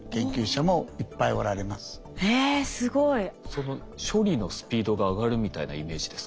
その処理のスピードが上がるみたいなイメージですか？